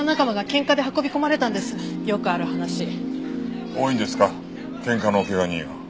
ケンカの怪我人は。